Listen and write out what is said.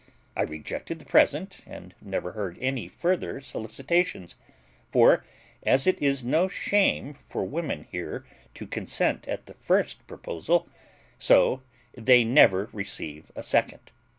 I rejected the present, and never heard any further solicitations; for, as it is no shame for women here to consent at the first proposal, so they never receive a second.